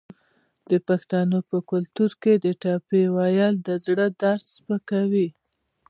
د پښتنو په کلتور کې د ټپې ویل د زړه درد سپکوي.